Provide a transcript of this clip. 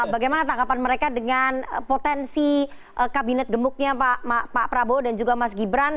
bagaimana tanggapan mereka dengan potensi kabinet gemuknya pak prabowo dan juga mas gibran